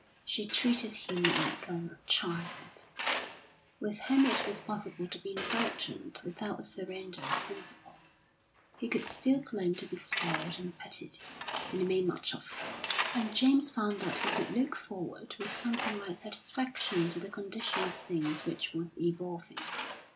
She treated him like a child, with whom it was possible to be indulgent without a surrender of principle; he could still claim to be spoiled and petted, and made much of. And James found that he could look forward with something like satisfaction to the condition of things which was evolving.